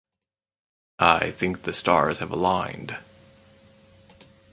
I think the stars have aligned.